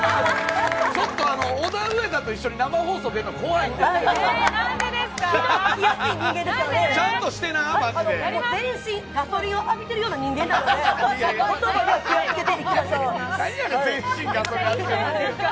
ちょっとオダウエダと一緒に生放送出るの怖いんですけど。